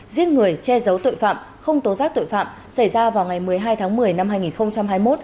giết người che giấu tội phạm không tố giác tội phạm xảy ra vào ngày một mươi hai tháng một mươi năm hai nghìn hai mươi một